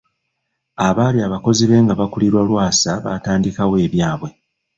Abaali abakozi be nga bakulirwa Lwasa batandikawo ebyabwe